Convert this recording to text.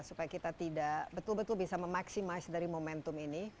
supaya kita betul betul bisa memaksimasi dari momentum ini